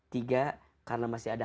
tiga karena masih ada